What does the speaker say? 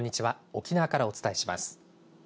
沖縄からお伝えします。